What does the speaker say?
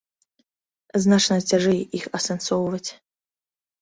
Значна цяжэй іх асэнсоўваць.